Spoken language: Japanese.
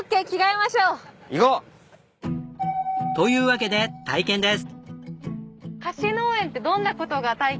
行こう！というわけで体験です。